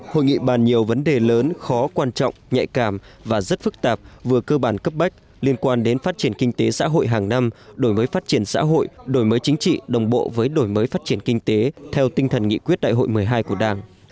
hội nghị bàn nhiều vấn đề lớn khó quan trọng nhạy cảm và rất phức tạp vừa cơ bản cấp bách liên quan đến phát triển kinh tế xã hội hàng năm đổi mới phát triển xã hội đổi mới chính trị đồng bộ với đổi mới phát triển kinh tế theo tinh thần nghị quyết đại hội một mươi hai của đảng